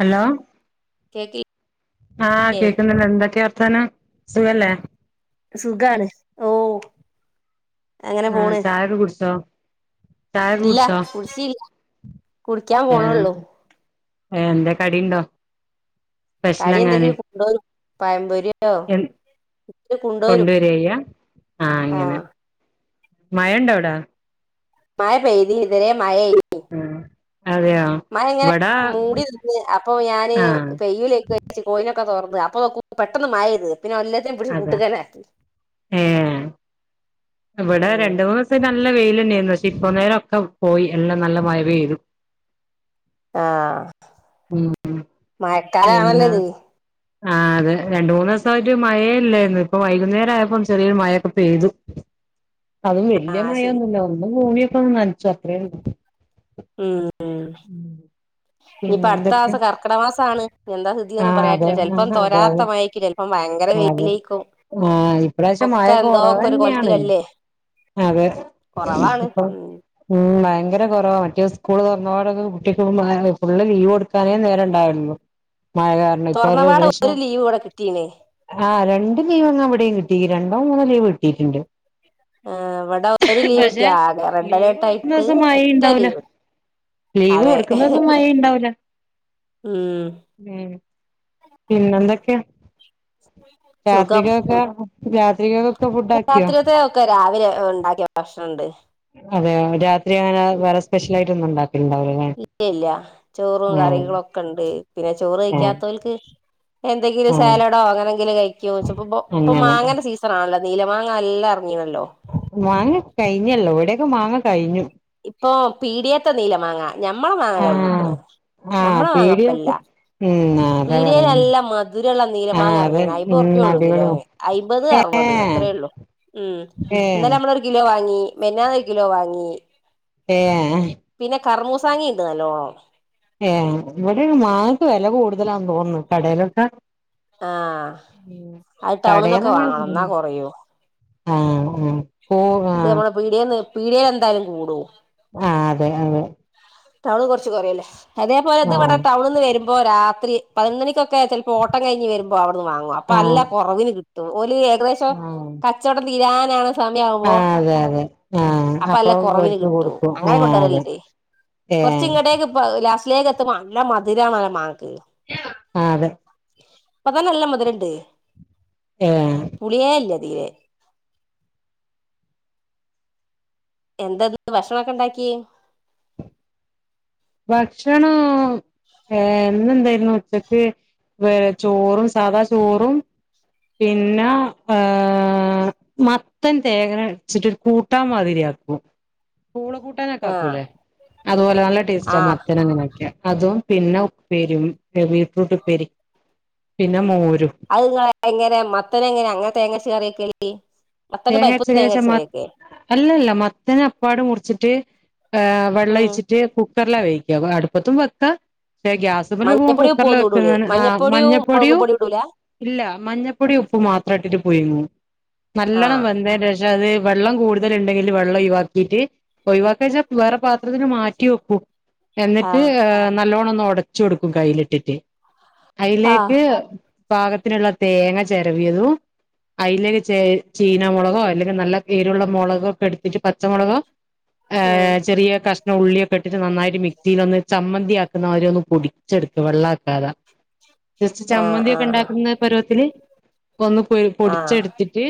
Hello കേക്കില്ലേ ആ കേക്കുന്നില്ല എന്തൊക്കെയ? ർതാനം സുഖല്ലേ സുഖാണ് ഓ അങ്ങനെ ആഹ പോണ് ചായ ഒക്കെ കുടിച്ചോ? ചായൊക്കെ ഇല്ല കുടിച്ചോ കുടിച്ചീല്ല കുടിക്കാൻ പോണള്ളു ഏ എന്താ കടിണ്ടോ? കടി എന്തെങ്കിലും കൊണ്ടോ പായമ്പൊരി എ കൊണ്ടുവരിയ്യ ആഹ ഇങ്ങനെ ആഹ് മയണ്ടവിടാ? മായ പേയ്തി ഇതരെ മയ ആ ആഹ! മയ ങ്ങനെ മൂടി നിന്ന് അപ്പൊ ഞാന് ആഹ് പെയ്യല ഒക്കെ ക കോ ക്കെ തോറന്ന് അപ്പൊ പെട്ടന്ന് മായത് പിന്നെ അന്നത്തേ പിടിച്ച് അതാ കൂട്ടുകാന ആക്കി ഏഹ് ഇവിടെ രണ്ട് മൂന്ന് ദിവസ നല്ല വെയിലന്നേയരുന്നുച്ചേ ഇപ്പ നേരക്കെ പോയി എല്ലാം നല്ല മഴ പെയ്തു ആ ഉം പിന്നെ മഴക്കാലാണല്ലോത് ആഹ് അതെ രണ്ട മൂന്ന് ദിവസായിട്ട് മയേ ഇല്ലായിരുന്നു ഇപ്പൊ വൈകുന്നേരായപ്പം ചെറിയൊരു മയൊക്കെ പെയ്തു അതും വല്യ ആഹ് ശരി മയൊന്നുല്ല ഒന്നും ഭൂമിയൊക്കെ ഒന്ന് നനച്ചു അത്രേ ഉള്ളൂ ഉം പിന്നെ ഇനിയിപ്പ അടുത്ത എന്തൊക്കെ മാസം കർക്കിട മാസാണ് എന്താസ്തിന്നും ആഹ് പറയത്തില്ല ചെലപ്പം തോരാത്ത മയരിക്ക അത ആഹ ഇപ്രാവശം ഒക്കെ മഴക്കെ എന്തോക്കെ ഒരു കുറവന്നെയാണ് കൊലത്തിലല്ലേ അതെ കൊറവാണ് അപ്പ ഉം ഉ ഉ ഭയങ്കര കൊറവ മറ്റേ ഉസ്കൂള് തുറന്നപടൊെ കുട്ടിക്ക് ഫുള്ള് ലീവ് കൊടുക്കാനേ നേരം ഉണ്ടാവലുള്ളു മയ കാരണം തുറന്നപാട് ഇപ്പം ഒരു ലീവ് ഇവിടെ കിട്ടീണ് ആ രണ്ട് രണ്ട് ലീവ്ങ് എവിടെയും കിട്ടി രണ്ടോ മൂന്നോ ലീവ് കിട്ടിയിട്ടുണ്ട് ആ ഇവിടെ ഒരു ലീവ് പക്ഷെ കിട്ടിയ ആകെ റെഡ് ലീവ് അലേർട്ട് ആയിട്ട് കൊടുക്കുന്നീസം ഒറ്റ മഴയിണ്ടാവൂല ലീവ് ലീവ് അതെ കൊടുക്കുന്നസം മയണ്ടാവൂല ഉം പിന്നെന്തൊക്കെയാ സുഖം രാത്രികൊക്കെ രാത്രികൊക്കെ ഫുഡ് ആക്കിയോ അത് ഉണ്ടാക്കിയ പ്രശ്ന ഉണ്ട് അതെയോ രാത്രി എങ്ങന വേറെ സ്പെഷ്യലായിട്ടൊന്നും ഉണ്ടാക്കിട്ടുണ്ടാവില്ലല്ലേ ഇല്ല ചോറും കറികളൊക്കെ ഉണ്ട് പിന്നെ ചോറ് ആഹ് കഴിക്കാത്തോൽക്ക് എന്തെങ്കിലും ആഹ് സാലഡോ അങ്ങനെങ്കിലും കഴിക്കോയിച്ചിപ്പിപ്പം ഇപ്പം അങ്ങനെ മാങ്ങേന്റെ സീസൺ ആണല്ലോ നീല മാങ്ങ എല്ലാർ മാങ്ങ കഴിഞ്ഞല്ലോ ഇവിടെയൊക്കെ മാങ്ങ കഴിഞ്ഞു ഇപ്പൊ പീടിയാത്തെ നീല മാങ്ങാ ഞമ്മള മാങ്ങ ആഹ് കഴിഞ്ഞേക്കണ് ആഹ് ഞമ്മള മാങ്ങ ഇപ്പല്ല പീടികക്ക് ഉം അതാ പീടിയേൽ പറയുന്നെ നല്ല മധുര ഒള്ള നീല ആഹ് മാങ്ങ അത് ഇറങ്ങി അയ്മ്പറുപ്യെ ഉം ഉള്ളൂ അടിപൊളി കിലോനെ അയ്മ്പത് അറു പത് ഏഹ് അത്രേള്ളൂ ഉം ഇന്നലെ ഏഹ് നമ്മളൊരു കിലോ വാങ്ങി മെനന്നാന്നൊരു കിലോ വാങ്ങി ഏഹ് കറമൂസാങ്ങി ഇണ്ട് നല്ലോണം ഏഹ് ഇവിടെ മാങ്ങക്ക് വെല കൂടുതലാന്ന് തോന്നുന്നു കടയിലൊക്കെ ആഹ് ഉം അത് ടൗണ്ന്നൊക്കെ കടേന്ന് വാങ്ങണം ഉം ഇന്നാ കൊറയൂ ആഹ് ഉം ഇത് നമ്മുടെ പീടിയേന്ന്‌ പീഡയേൽ എന്തായാലും കൂടും ആഹ് അതെ അതെ ടൗണെ കൊറച്ച് പറയൂല്ലേ അതേപോലെ ഇത് ഇവിടെ ആഹ് ടൗണീന്ന് വരുമ്പോ രാത്രി പതിനൊന്ന് മണിക്കൊ ക്കെയാ ചിലപ്പോ ഓട്ടം കഴിഞ്ഞ് വരുമ്പോ അവിടുന്ന് വാങ്ങുക അപ്പോ ആഹ് അല്ല കുറവിന് കിട്ടും ഓ ല് ഏകദേശം ആഹ് കച്ചവടം തീരാനാണ് സമയ ആവുമ്പോ അതെ അതെ ആഹ് അപ്പൊ അല്ല കൊറവിന് ഓര്ക്ക് കിട്ടും കൊടുക്കും അങ്ങനെ ആഹ് അതെ കൊണ്ടുവരല്ലിണ്ടേ കൊറച്ച് ഏഹ് ഇങ്ങട്ടേക്ക് ഇപ്പ ലാസ്റ്റിലേക്ക് എത്തുമ്പോ നല്ല മധുരാണല്ലോ മാങ്ങക്ക് ആ അതെ ഇപ്പൊ തന്നെ നല്ല മധുരമുണ്ട് ഏഹ് പുളിയേ ഇല്ലേ തീരെ എന്താ ഇന്ന് ഭക്ഷണവൊക്കെ ഉണ്ടാക്കിയെ ഭക്ഷണം ഏ ഇന്നെന്തായിരുന്നു ഉച്ചക്ക് വേ ചോറും സാധാ ചോറും പിന്നെ ഏ മത്തൻ തേങ്ങ അരച്ചിട്ടൊരു കൂട്ടാൻ മാതിരിയാക്കും പൂള കൂട്ടാനൊക്കെ ആഹ് ആക്കൂല്ലേ അതുപോലെ നല്ല ടേസ്റ്റാ ആഹ് മത്തൻ അങ്ങനെ ആക്കിയാൽ അതും പിന്നെ ഉപ്പേരിയും ബീറ്റ്റൂട്ട് ഉപ്പേരി പിന്നെ മോരും അത് നിങ്ങള് എങ്ങനെ മത്തനെങ്ങനാ അങ്ങനെ തേങ്ങയരച്ച് കറിവെക്കല് മത്തനും പരിപ്പും തേങ്ങ അരച്ചക്കരച്ച അരച്ച് മ കറി വെക്കുവാ അല്ലല്ല മത്തന് അപ്പാടെ മുറിച്ചിട്ട് ഏ വെള്ളം ഉം ഒഴിച്ചിട്ട് കു ക്കറിലാ വേവിക്കുക അടുപ്പത്തും വക്കാം പക്ഷെ ഗ്യാസിൻമേൽ വക്കുമ്പോ മഞ്ഞപ്പൊടി ഉപ്പും കുക്കറില് ഒന്നും വെക്കണ ഇടൂലേ ആണ് ആ മുളകും മഞ്ഞപ്പൊടിയും പൊടിയും ഇടൂല ഇല്ല മഞ്ഞപ്പൊടിയും ഉപ്പും മാത്രം ഇട്ടിട്ട് പുഴുങ്ങും നല്ലോണം ആഹ് വെന്തേന് ശേഷം അത് വെള്ളം കൂടുതലുണ്ടെങ്കില് വെള്ളം ഒഴിവാക്കിയിട്ട് ഒഴിവാക്കാച്ചാ വേറെ പാത്രത്തില് മാറ്റി വെക്കും എന്നിട്ട് ആഹ് ഏ നല്ലോണ്ണം ഒന്ന് ഒടച്ചു കൊടുക്കും കയിലിട്ടിട്ട് ആഹ് അയിലേക്ക് പാകത്തിനുള്ള തേങ്ങ ചെരവിയതും അയിലേക്ക് ചേ ചീനമുളകോ അല്ലെങ്കി നല്ല എരിയുള്ള മുളകൊക്കെ എടുത്തിട്ട് പച്ചമൊളകോ ഉം ഏഹ് ചെറിയ കഷ്ണം ഉള്ളിയൊക്കെ ഇട്ടിട്ട് നന്നായിട്ട് മിക്സിലൊന്ന് ചമ്മന്തിയാ ക്കുന്നവരെയൊന്ന് പൊടിച്ചെടുക്ക വെള്ള ആക്കാതെ ജസ്റ്റ് ആഹ് ചമ്മന്തി ആഹ് ഒക്കെണ്ടാക്കുന്ന പരുവത്തില് ഒന്ന് പൊര് ആഹ് പൊടിച്ചെടുത്തിട്ട്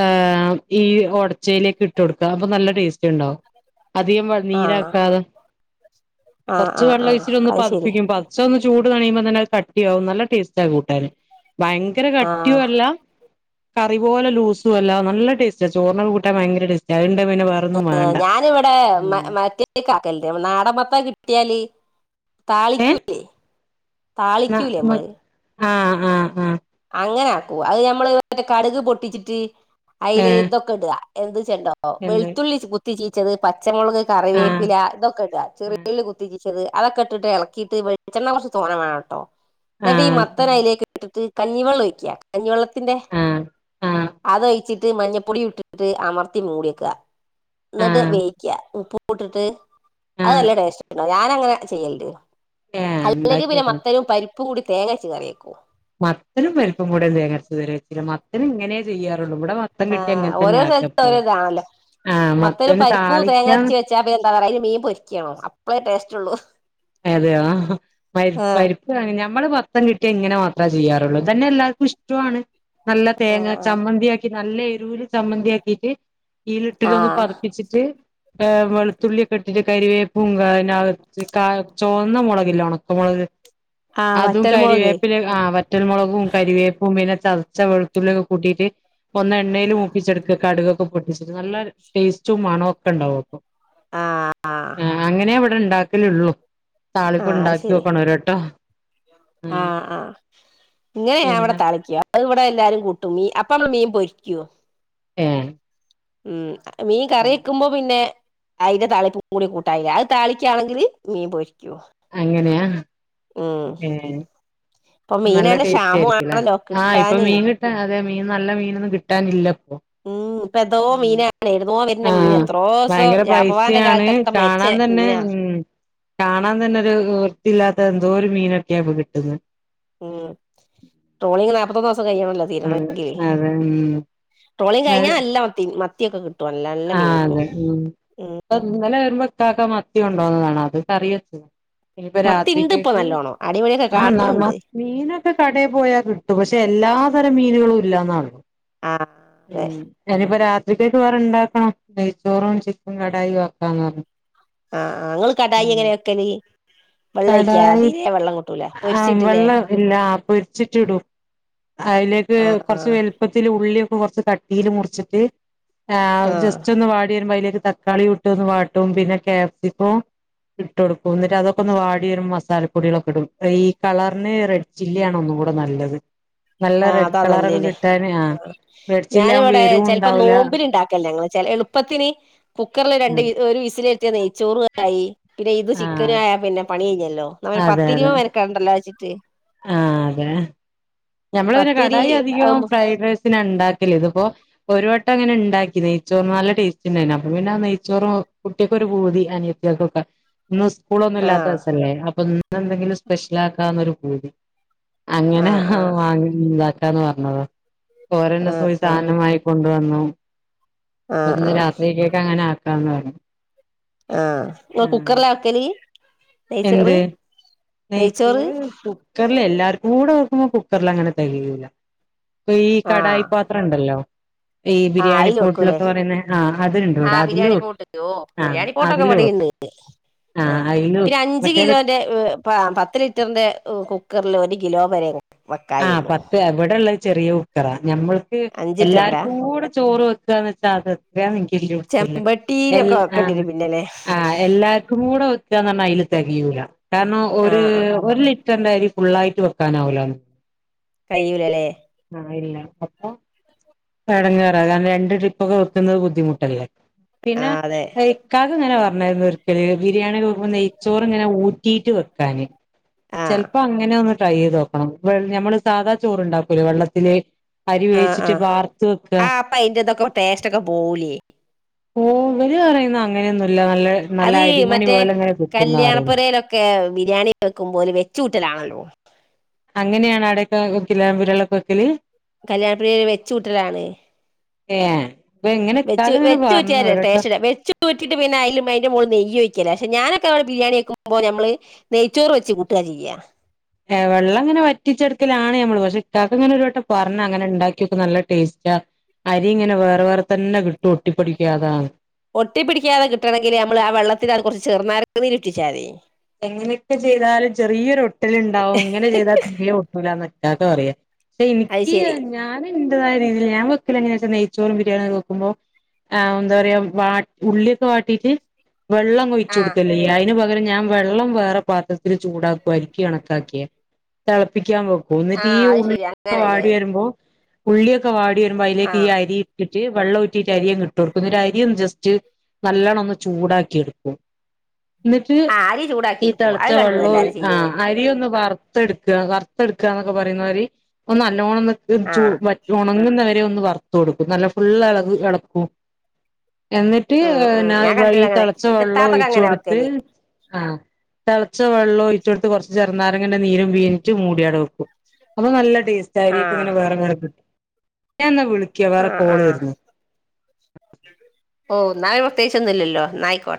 ഏഹ് ഈ ഒടച്ചയിലേക്ക് ഇട്ട് കൊടുക്കുക. അപ്പൊ നല്ല ടേസ്റ്റ് ഉണ്ടാവും അധികം വ ആഹ് നീരാക്കാതെ. ആഹ് കൊർച് ആഹ് വെള്ളം ആഹ് ഒഴിച്ചിട്ടൊന്ന് അത് ശരി പതിപ്പിക്കും പതച്ച ന്ന് ചൂട് കണിയുമ്പോ തന്നെ അത് കട്ടിയാവും നല്ല ടേസ്റ്റ കൂട്ടാന്. ഭയങ്കര കട്ടിയു ആഹ് അല്ല കറി പോലെ ലൂസും അല്ല നല്ല ടേസ്റ്റ. ചോർണ്ണ കെ കൂട്ടാൻ ഭയങ്കര ടേസ്റ്റ. അഹ് ആഹ് ഞാനിവിടെ മ മറ്റേയ്കെ ആകൽണ്ട് നാടൻമത്തൻ കിട്ടിയാല് ഏ താളിക്കൂല്ലേ ന്ന താളിക്കൂലേ മ അമ്മള് ആഹ് ആഹ് അങ്ങനാക്കു അഹ് നമ്മള് കടുക് പൊട്ടിച്ചിട്ട് ഏ അയില് തൊക്കെ ഇട എന്ത് ചെണ്ടോ എന്ന് വെളുത്തുള്ളി കുത്തി ചീച്ചത് പച്ചമുളക് ആഹ് കറിവേപ്പില തൊക്കെ ഇട ആഹ് ചെറിയുള്ളി കുത്തി ചി ചെത് അതൊക്കെ ഇട്ടിട്ട് ഇളക്കിയിട്ട് വെളിച്ചണ്ണ കുറച്ച് തോന്ന വേണം കേട്ടോ എന്നിട്ട് ഈ ആഹ് മത്തനലേക്ക് ഇട്ടിട്ട് കഞ്ഞിവെള്ളം വഴക്കാ കഞ്ഞിവെള്ളത്തിന്റെ ആഹ് ആഹ് അതഴിച്ചിട്ട് മഞ്ഞപ്പൊടി ഇട്ടിട്ട് അമർത്തി മൂടിയക്കുക എന്നിട്ട് ആഹ് വേിക്ക ഉപ്പ് വിട്ടിട്ട് ആഹ് അത്ല്ലാം ടേസ്റ്റ് ഞാന അങ്ങനെ ചെയ്യലണ്ട് ഏ അല്ലെങ്കിൽ ഉണ്ടാക്കി പിന്നെ നോക്കണം മത്തരും പരിപ്പും കൂടി തേങ്ങ അരച്ച് കറിയക്കൂ മത്തനും വലിപ്പം കൂടെ തേങ്ങ മത്തനും ഇങ്ങനെയാ ചെയ്യാ ഇവിടെ മത്തം കിട്ടിയ അങ്ങനെ തന്നെ ആക്കപ്പോും മറ്റൊരു പരിപ്പൂ തേങ്ങ അരച്ചച്ച് വെച്ചാപ്പ എന്താ പറയാ മീൻ പൊരിക്കണോ അപ്പഴേടേസ്റ്റ ഉള്ളു അതെയോ പരിപ്പ് അ നമ്മള് പത്തം കിട്ടിയ ഇങ്ങനെ മാത്രേ ചെയ്യാറുള്ളൂ ഇതന്നെ എല്ലാവർക്കും ഇഷ്ടമാണ് നല്ല തേങ്ങ ചമ്മന്തിയാക്കി നല്ല എരുവൽ ചമ്മന്തിയാക്കിട്ട് ഈലിട്ടിലൊന്ന് ആഹ് പുപ്പിച്ചിട്ട് വെളുത്തുള്ളിയൊക്കെ ഇട്ടിട്ട് കരുവേ പൂങ്ക നകത്ത് ചോന്ന മുളകില്ല ഉണക്ക മുുളക് ആഹ് അതും വറ്റൽ മുളക് കറിവേപ്പില ആ വറ്റൽമുളകും കരിവേപ്പും പിന്നെ ചർച്ച വെുത്തുള്ളൊക്കെ കൂട്ടീട്ട് ഒന്ന എണ്ണയിൽ മൂപ്പിച്ചെടുക്ക കടുകൊക്കെ പൊട്ടിച്ചിട്ട് നല്ല ടേസ്റ്റും മണൊക്കെ ഉണ്ടാവും അപ്പൊ ആ അങ്ങനെ അവിടെ ഉണ്ടാക്കലേള്ളൂ താളിപ്പ ഉണ്ടാക്കി വോക്കണ ഒരട്ടോ ആ് ആ് ഇങ്ങനെ ഞാൻ പിന്നെ ഇവിടെ തളിക്ക അ ഇവിടെ എല്ലാരും കൂട്ടുംീ അപ്പ മീൻ പൊരിക്കോ ഏ ഉം മീൻ കറി വക്കുമ്പോ പിന്നെ അതിന്റെ താളിപ്പും കൂടി കൂട്ടായില്ല അത് താളിക്കാണെങ്കില് മീൻ പൊഴരിക്കുവോ അങ്ങനെയാ ഉം ഏഹ് ഇപ്പൊ നല്ല മീനല്ല ടേസ്റ്റ് ക്ഷാമ ആയിരിക്കുംല്ലേ ആണല്ലോ ആഹ് ഇപ്പൊ കിട്ടാന് മീൻ കിട്ടാ അതെ മീൻ നല്ല മീനൊന്നും കിട്ടാനില്ല ഇപ്പൊ ഉം ഇപ്പൊ എതോ മീനാണ് എഴുുന്നോ വരുന്ന മീൻ ആഹ് എത്രോ ദിവസം ഭയങ്കര ജാപവാന്റെ പൈസയാണ് കാലത്തൊക്കെ മരിച്ച കാണാൻ തന്നെ മീനാ ഉ കാണാൻ തന്നെ ഒരു കാത്ത എന്തോ ഒരു മീനൊക്കിയാപ്പൊ കിട്ടുന്നത് ഉം ട്രോളിങ് നാല്പത്തൊന്ന ദിവസം കഴിയണല്ലോ അതെ തീരണങ്കില്േ അതെ ഉം ടോളിും കഴിഞ്ഞൽല്ലത്തി മത്തി ഒക്കെ കട്ടും ആ അതെ ഉന്നല്ല വരുമ്പ ഉട്ടാക്കാൻ മത്തിയ കൊണ്ടോന്നതാണ് അത് കറിയച്ച ഇനിയിപ്പോ മത്തി ഇണ്ട് ഇപ്പൊ രാത്രിക്കക്ക് നല്ലോണം അടിപൊളിയൊക്കെ ആ് നമ്മ കാണുന്നുണ്ട് മീനൊക്കെ കടയിൽ പോയാ കിട്ടു പക്ഷെ എല്ലാ രം മീനുകളും ഇല്ലന്നാ ആഹ് ഉ അതെ ഞാനിപ്പോ രാത്രിക്കായിട്ട് വേറെണ്ട ചോറും ചിക്കും കടായയും വക്കാന്ന് പറഞ്ഞു ആഹ ങ്ങൾ കടായി എങ്ങനെൊക്കല് വെള്ളം ഒിക്ക അതിലേ വെള്ളം കിട്ടൂല ആഹ പൊരിച്ചിട്ടില്ലേ വെള്ളം ഇല്ല പൊരിച്ചിട്ടി ഇടൂ അതിലേക്ക് ആഹ് കൊറച്ച് ആഹ് വലുപ്പത്തിൽ ഉള്ളി റ കട്ട മുറിച്ചിട്ട് ആഹ് ജസ്റ്റ് വാല തക്കാളി വിട്ട് ഒന്ന് വാട്ടും പിന്നെ ക്യാപ്ശ്ചികോം ഇട്ട് കൊടുക്കും എന്നിട്ട് അതൊക്കെ ഒന്ന് വാടി വര മസാലപ്പൊടികളൊക്കെ ഇടും ഈ കളറിന് റെഡ് ചില്ലിയ ആണ ഒന്ന കൂടെ നല്ലത് നല്ല ആ റെഡ് അതാ കളറൊക്കെ നല്ലേല്ലേ കിട്ടാന് ആ റെഡ് ചില്ലി ആകുമ്പോ ഞാനിവിടെ എരിവും ചെിലപ്പോ ഉണ്ടാവൂല നോമ്പിൽ ഇണ്ടാക്കല്ലേ എളുപ്പത്തിന് കുക്കറിൽ രണ്ട് ഒരു വിസിലെ നെയ്ച്ചോറ ആയി പിന്നെ ഇത് ആ ചിക്കന ആയാ പിന്നെ പണി കിഞ്ഞല്ലോ നമ്മ അതെ പത്തിരുപ അതെ വരക്കണ്ടല്ലോ ആ അതെ ഞമ്മളെ പത്തിരി കടായി അധികം ആഹ് ഫ്രൈഡ് റൈസിന ഉണ്ടാക്കി ഇപ്പോ ഒരു വട്ടം അങ്ങനെ ഉണ്ടാക്കി നെയ്ച്ചോറ്ും നല്ല ടേസ്റ്റ് ഉണ്ടായിരുന്നു അപ്പ പിന്നെ നെയ്ച്ചോറും കുട്ട തി അനത്യാക്കൊക്കെ ഇന്ന് സ്കൂളൊന്നും ഇല്ലാത്ത ആഹ് ദിവസല്ലേ അപ്പൊ ഇന്ന് എന്തെങ്കിലും സ്പെഷ്യൽ ആാക്കാന്നൊരു കൂതി അങ്ങനെയ ആഹ് വാങ്ങി ഇതാക്കാന്ന് പറഞ്ഞത് രന്റെ ആഹ് സുവിധാനമായി കൊണ്ടുവന്നു ആഹ് ആഹ് അന്ന് ആഹ് രാത്രിക്കക്ക അങ്ങനെ ആക്കാന്ന് പറു ആഹ കുക്കറില ആക്കല എന്ത് നെയ്ച്ചോറ് കുക്കറൽ എല്ലാ കൂടെ നോക്കുമ്പോ കുക്കറൽ അങ്ങനെ തികല്ല അൊ ഈ കടായി പാത്രം ഉണ്ടല്ലോ ആഹ അയിൽ വെക്കൂല്ലേ ആ അതുണ്ട് ഇവിടെ ആഹ ബിരിയാണി അതിലും പോട്ട് ഓ ആ ബിരിയാണി പോട്ടൊക്കെ മട അതിലും ആ അയില് പിന്നെ അഞ് അഞ്ച് മറ്റേത് കിലോന്റെ പത്ത് ലിറ്ററിന്റെ കുക്കറിൽ ഒരു കിലോ വരെ ആഹ വെക്കായുള്ളൂ പത്ത് ഇവിടെള്ള ചെറിയ കുക്കറാ ഞമ്മൾക്ക് എല്ലാർക്ക അഞ്ചിറ്ററിന്റാ കൂടെ ചോറ് വെ ായാ നി ചെമ്പട്ടിയിലൊക്കെ വെക്കേണ്ടി വരും പിന്നെല്ലേ ആ എല്ലാർക്കും കൂടെ ഒ പറ തികൂല കാരണം ഒരു ആഹ് ആഹ് ഒരു ലിറ്ററിന്റെ അരി ഫുുള്ളായിട്ട് വെക്കാനാവൂലന്ന് കയ്ലല്ലേ ആല്ല അപ്പ ചടങ്ങറ കാരണം രണ്ട് ട്രിപ്പൊക്കെ വക്കുന്നത് ബുദ്ധിമുട്ടല്ലേ പിന്നെ ആഹ് അതെ അങ്ങനെ പറഞ്ഞായിരുന്നു ഒരിക്കല ബിരിയാണിക്കെക്കുമ്പോ നെയ്ച്ചോറ് ഇങ്ങനെ ഊട്ടിട്ട് വെക്കാാന് ആഹ് ചെിലപ്പോ അങ്ങനെ ഒന്ന് ട്രൈ ചെയ്ത്ോക്കണം നമ്മള് സാധാ ചോറ്ണ്ടാക്കൂല വെള്ളത്തില അരി ആഹ് ആഹ് വേഴിച്ചിട്ട് ആഹ് പാർത്ത വെക്ക അപ്പൊ അയിന്റെ ഇതൊക്കെ ടേസ്റ്റ് ഒക്കെ പോവൂലേ ഓ ഇവര് പറയുന്ന അങ്ങനെയൊന്നുംല്ല നല്ല നല്ല അത് അരിമണി മറ്റേ പോലെ അങ്ങനെ കിട്ടുന്ന പറയുന്നു കല്യാണപ്പൊരയിലൊക്കെ ബിരിയാണി വെക്കും്പോലെ വെച്ചൂട്ടലാണല്ലോ അങ്ങനെയാണ് അടക്കക്കില വിരളക്കൊക്കല് കല്യാണപ്പുള്ളി ഒരു വെച്ചുകൂട്ടലാണ് ഏ ഇപ്പൊ ഇങ്ങനെ ഇക്കാക്ക വെച്ച് ഇങ്ങനെ പറഞ്ഞു വെച്ചറ്റിയ ഒരുവട്ടം ടേസ്റ്റ് വെച്ചൂറ്റിട്ട് പിന്നെ അയലും അതിന്റെ മോള് നെയ്യ് വയ്ക്കല്ല പക്ഷെ ഞാനൊക്കെ അവിടെ ബിരിയാണിെക്കുമ്പോ നമ്മള് നെയ്ച്ചറ് വെച്ച് കൂട്ടുക ചെയ്യാ ഏ വെള്ളം അങ്ങനെറ്റിച്ചെടുക്കലാണ് നഞമ്മള് പക്ഷെ ഇക്ക് ഇങ്ങനെ ഒരു വട്ടം പറഞ്ഞ അങ്ങനെ ഉണ്ടാക്കിക്കെ നല്ല ടേസ്റ്റാ അരി ഇങ്ങനെ വേറെ വേറെ തന്നെ കിട്ടും ഒട്ടിപ്പടിക്കാതാണ് ഒട്ടി പിടിക്കാതെ കിട്ടണമെങ്കില് നമ്മള് ആ വെള്ളത്തിൽ അത് കുറച്ച് ചെറുന്നര നീരുട്ടിച്ചാ മതി എങ്ങനെയൊക്കെ ചെയ്താലും ചെറിയൊരു ഒട്ടിൽ ഉണ്ടാവും ഇങ്ങനെ ചെയ്താൽ തീരി ഒട്ടൂല ഇക്കെ പറയാ പക്ഷെ അത് എനിക്ക് ശരി ഞൻ തായ രീതിൽ ാൻ വെക്കില്ലങ്ങന നെയ്ച്ചോ ബിരിണി ഒെക്കുമോൾ ആ എന്താ പറയാ ഉള്ളിയൊക്കെ വാട്ടീട്ട് വെള്ളം കൊഴിച്ചു ആഹ് കൊടുക്കലേ അതിനന് പകരം ഞാൻ വെള്ളം വേറെ പാത്രത്തിൽ ചൂടാക്കും അരിക്കി കണക്കാക്കിയ തിളപ്പിക്കാൻ പോ പോന്നിട്ട് ഈ ആഹ് അത് ഉള്ളി ശരി അങ്ങനെല്ലേ വാടി വരുമ്പോ ഉള്ളിയൊക്കെ വാടി വരുമ്പോ അതിലേക്ക് ഈ ആഹ് അരി് ് വെള്ളം ഒറ്റിയിട്ട അരിയയും കട്ടോർക്കും അരിും ജസ്റ്റ് നല്ലവണ്ണം ഒന്ന് ചൂടാക്കി എടുക്കും എന്നിട്ട് ആഹ് അരി ചൂടാക്കി ഈ എടുക്കും തിളച്ച അത് കണ്ട്ണ് വെള്ളവും എല്ലാരും ആ ചെയ്യ്ണെ അരിയ ഒന്ന് പാർത്ത് റ ന ആഹ് വറത്ത കൊടുക്കും നല്ല ഫു ഇള ഇളക്കും എന്നിട്ട് ഉം ഉം ഞാൻ വഴി കണ്ടിണ് അങ്ങനെ തിളച്ച വെള്ളം ഇത്താത്തൊക്കെ ഒഴിച്ച അങ്ങനെ കൊടുത്ത് വെക്കല് ആ ച്ച് വെള്ളവൊഴിച്ചിട്ട് കൊറച്ച് ചെറുനാരങ്ങേന്റെ നീരും വീണിട്ട് മൂടിടവെടെവെക്കും അപ്പൊ നല്ല. ഇൻസ്റ്റ ഐഡിയൊക്കെ ആഹ് ഇങ്ങനെ വേറെ വേറെ കിട്ടും. ഞായെന്നാ വിളി ക്കാ വേറെ ആഹ് കോള് ആഹ് വെരുന്നു ഓയെന്നായി പ്രത്യേകിച്ചൊന്നില്ലല്ലോ ന്നായിക്കോട്ടെ.